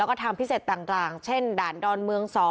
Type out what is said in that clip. แล้วก็ทางพิเศษต่างเช่นด่านดอนเมือง๒